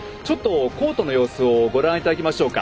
コートの様子をご覧いただきましょうか。